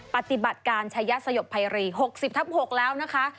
ปฏิบัติการชายสยบภัยรี๖๐ทับ๖แล้วนะคะ